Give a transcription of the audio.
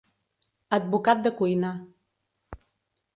Advocat de cuina.